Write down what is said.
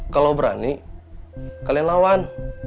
kalau berani kalian lawan